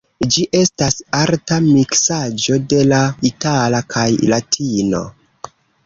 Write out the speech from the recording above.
Ĝi estas arta miksaĵo de la itala kaj latino.